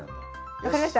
分かりました？